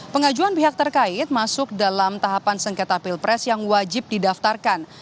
pengajuan pihak terkait masuk dalam tahapan sengketa pilpres yang wajib didaftarkan